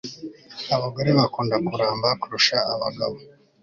Abagore bakunda kuramba kurusha abagabo